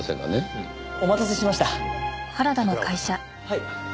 はい？